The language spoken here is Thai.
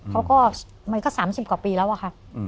เขาก็มันก็๓๐กว่าปีแล้วอะค่ะ